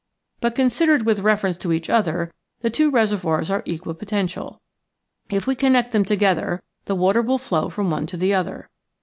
But, considered with ref erence to each other, the two reservoirs are equi potential. If we connect them together ^^*te*wfn flow from one to the other.